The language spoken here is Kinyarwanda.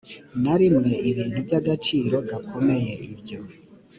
na rimwe ibintu by agaciro gakomeye ibyo